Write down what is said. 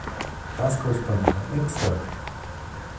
Das kostet dann aber extra.